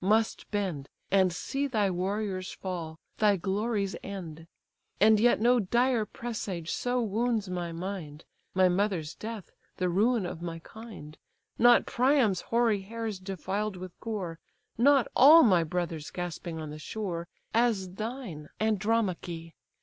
must bend, And see thy warriors fall, thy glories end. And yet no dire presage so wounds my mind, My mother's death, the ruin of my kind, Not Priam's hoary hairs defiled with gore, Not all my brothers gasping on the shore; As thine, Andromache!